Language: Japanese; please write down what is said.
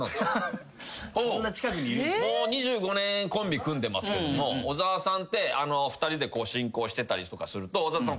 もう２５年コンビ組んでますけども小沢さんって２人で進行してたりとかすると小沢さん